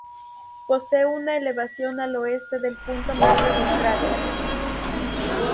Posee una elevación al oeste del punto medio del cráter.